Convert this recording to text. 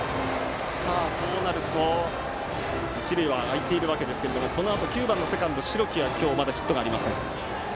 こうなると一塁は空いていますがこのあと９番のセカンド、白木は今日、まだヒットがありません。